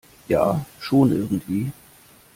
Ja, schon irgendwie.